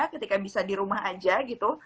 ketika bisa di rumah aja gitu